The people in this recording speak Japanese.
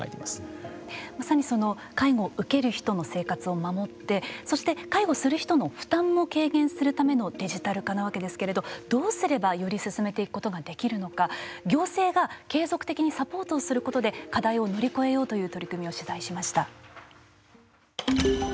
まさに介護を受ける人の生活を守ってそして介護する人の負担も軽減するためのデジタル化なわけですけれどどうすればより進めていくことができるのか行政が継続的にサポートをすることで課題を乗り越えようという取り組みを取材しました。